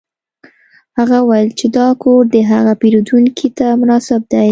هغه وویل چې دا کور د هغه پیرودونکي ته مناسب دی